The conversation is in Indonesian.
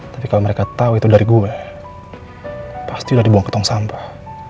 tapi kalau mereka tahu itu dari gue pasti udah dibuang ke tong sampah